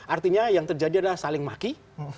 artinya yang terjadi adalah saling maki